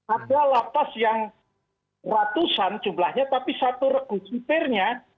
ada lapas yang ratusan jumlahnya tapi satu regu supirnya